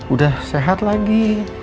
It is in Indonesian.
udah sehat lagi